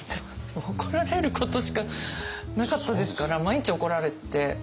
もう怒られることしかなかったですから毎日怒られて。